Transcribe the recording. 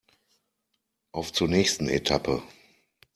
Auf zur nächsten Etappe!